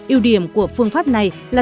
yêu điểm của phương pháp này là